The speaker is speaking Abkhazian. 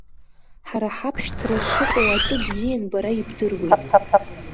Ҳара ҳабшьҭра шыҟоу атәы бзиан бара ибдыруеит.